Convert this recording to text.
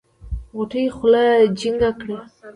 غوټۍ خوله جينګه کړه.